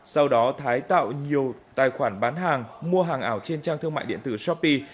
sau đó thái tạo nhiều tài khoản bán hàng mua hàng ảo trên trang thương mại điện tử shopee